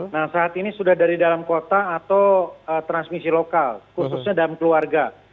nah saat ini sudah dari dalam kota atau transmisi lokal khususnya dalam keluarga